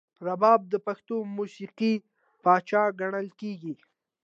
رباب د پښتو موسیقۍ پاچا ګڼل کیږي.